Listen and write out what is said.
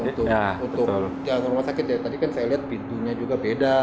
untuk rumah sakit tadi kan saya lihat pintunya juga beda